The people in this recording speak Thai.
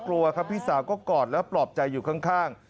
กลัวครับพี่สาวก็กอดแล้วปลอบใจอยู่ข้าง